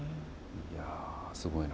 いやすごいな。